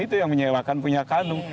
itu yang menyewakan punya kandung